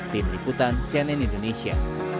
tim liputan cnn indonesia